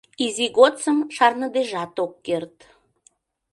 Изи годсым шарныдежат ок керт.